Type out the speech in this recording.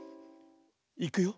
いくよ。